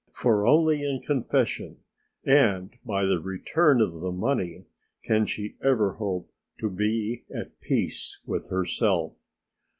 For only in confession and by the return of the money can she ever hope to be at peace with herself.